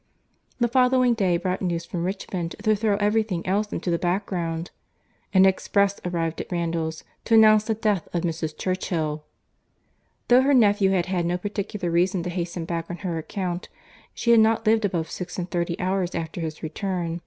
The following day brought news from Richmond to throw every thing else into the background. An express arrived at Randalls to announce the death of Mrs. Churchill! Though her nephew had had no particular reason to hasten back on her account, she had not lived above six and thirty hours after his return.